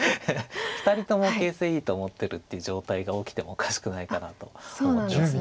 ２人とも形勢いいと思ってるっていう状態が起きてもおかしくないかなと思います。